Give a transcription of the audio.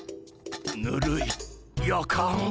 ぬるいやかん。